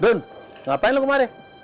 dun ngapain lo kemarin